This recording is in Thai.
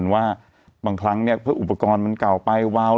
ว่าบางครั้งเนี่ยเพื่ออุปกรณ์มันเก่าไปวาว